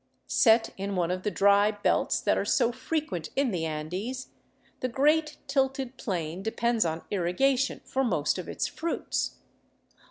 Set in one of the dry belts that are so frequent in the Andes, the great, tilted plain depends on irrigation ft)r most of its fruits.